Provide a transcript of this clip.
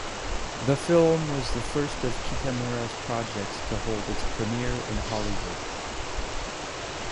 The film was the first of Kitamura's projects to hold its premiere in Hollywood.